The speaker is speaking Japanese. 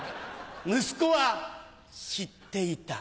息子は知っていた。